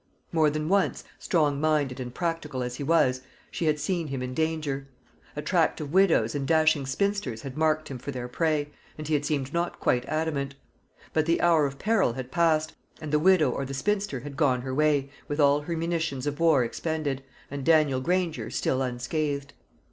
More than once, strong minded and practical as he was, she had seen him in danger. Attractive widows and dashing spinsters had marked him for their prey, and he had seemed not quite adamant; but the hour of peril had passed, and the widow or the spinster had gone her way, with all her munitions of war expended, and Daniel Granger still unscathed.